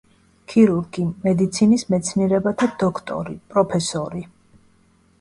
ქირურგი, მედიცინის მეცნიერებათა დოქტორი, პროფესორი.